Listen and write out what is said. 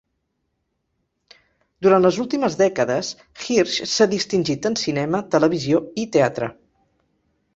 Durant les últimes dècades, Hirsch s'ha distingit en cinema, televisió i teatre.